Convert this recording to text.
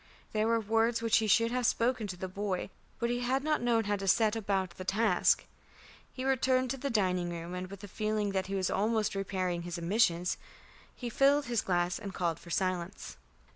There were words which he should have spoken to the boy, but he had not known how to set about the task. He returned to the dining room, and with a feeling that he was almost repairing his omissions, he filled his glass and called for silence.